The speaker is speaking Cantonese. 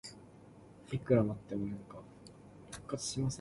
你过嚟系唔系混吉